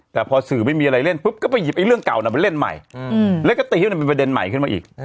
แต่พอสื่อไม่มีอะไรเล่นปุ๊บก็ไปหยิบไอ้เรื่องเก่าไปเล่นใหม่แล้วก็ตีให้มันเป็นประเด็นใหม่ขึ้นมาอีก